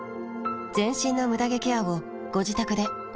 全身のムダ毛ケアをご自宅で思う存分。